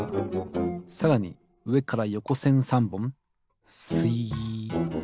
さらにうえからよこせん３ぼんすいっ。